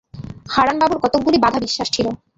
হারানবাবুর কতকগুলি বাঁধা বিশ্বাস ছিল।